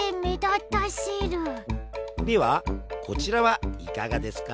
ではこちらはいかがですか？